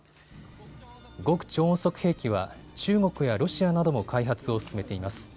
極超音速兵器は中国やロシアなども開発を進めています。